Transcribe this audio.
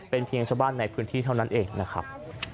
เป็นเพียงชาวบ้านในพื้นที่เท่านั้นเองนะครับ